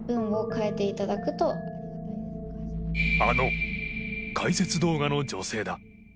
あの解説動画の女性だ。